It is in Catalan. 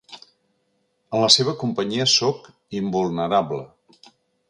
En la seva companyia sóc invulnerable.